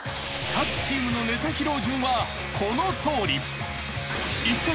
［各チームのネタ披露順はこのとおり］